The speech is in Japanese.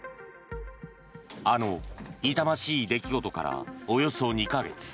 あの痛ましい出来事からおよそ２か月。